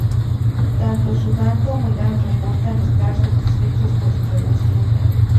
Tanto Sudán como Irán reportan estar satisfechos con su relación.